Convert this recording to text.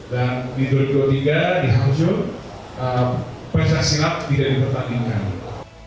dan di dua ribu dua puluh tiga di hangzhou pecah silat tidak dipertandingkan